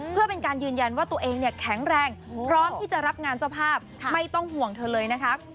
เพื่อเป็นการยืนยันว่าตัวเองเนี่ยแข็งแรงพร้อมที่จะรับงานเจ้าภาพไม่ต้องห่วงเธอเลยนะคะ